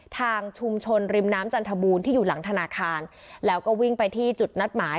ทางชุมชนริมน้ำจันทบูรณ์ที่อยู่หลังธนาคารแล้วก็วิ่งไปที่จุดนัดหมาย